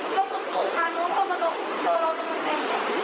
แล้วก็ตรงตรงมาน้องเขามาโดนเจอเราตรงไหน